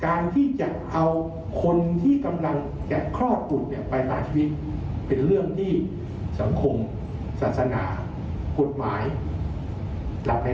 การที่จะเอาคนที่กำลังจะครอดปลุกไปต่างชีวิตเป็นเรื่องที่สังคมสาธานาคตหมายรับไม่ได้